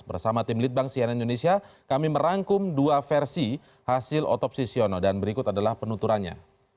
bersama tim litbang cnn indonesia kami merangkum dua versi hasil otopsi siono dan berikut adalah penuturannya